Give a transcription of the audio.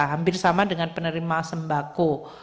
hampir sama dengan penerima sembako